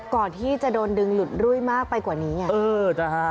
ก่อนที่จะโดนดึงหลุดรุ่ยมากไปกว่านี้ไง